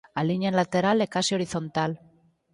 A liña lateral é case horizontal.